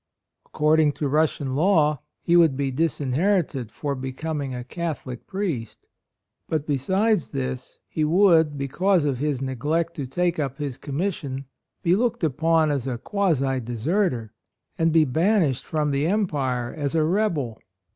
Accord ing to Russian law, he would be disinherited for becoming a Catholic priest ; but besides this he would, because of his neglect to take up his commission, be looked upon as a quasi deserter, 54 A ROYAL SON and be banished from the empire as a rebel.